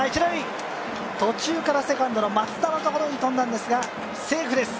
途中からセカンドの松田のところに飛んだんですが、セーフです。